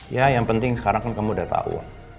ya yang penting sekarang kan kamu udah tahu